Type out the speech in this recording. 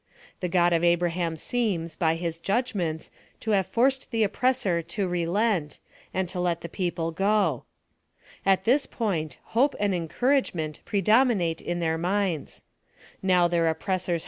— The God of Abraham seems, by his judgments, to have forced the oppressor lO relent, and to let the people go. At this point, hope and encouragement pre dominate in their minds. Now their oppressors » PLAN OP SALVATION.